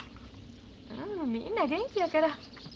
うんみんな元気やから。